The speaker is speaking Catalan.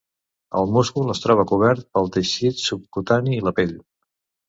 El múscul es troba cobert pel teixit subcutani i la pell.